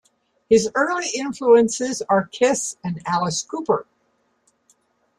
His early influences are Kiss and Alice Cooper.